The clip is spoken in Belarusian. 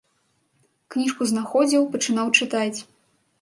Кніжку знаходзіў, пачынаў чытаць.